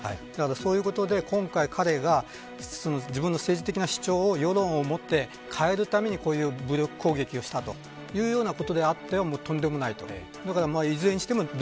そういうことで、今回彼が政治的な主張を世論をもって変えるためにこういう武力攻撃をしたということであってとんでもない。